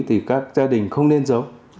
thì các gia đình không nên giấu